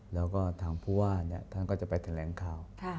แล้วก็ทางผู้ว่าท่านก็จะไปแถลงข่าว